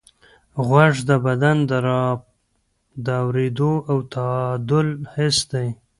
غوږ د بدن د اورېدو او تعادل حس دی.